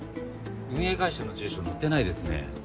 運営会社の住所載ってないですね。